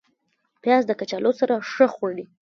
پیاز د کچالو سره ښه خوري